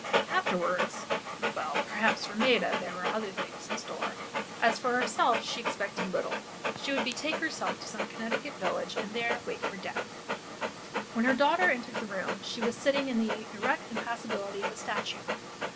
Afterwards well, perhaps for Maida there were other things in store, as for herself she expected little. She would betake herself to some Connecticut village and there wait for death. When her daughter entered the room she was sitting in the erect impassibility of a statue.